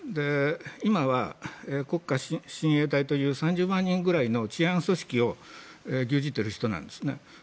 今は国家親衛隊という３０万人ぐらいの治安組織を牛耳っている人なんです。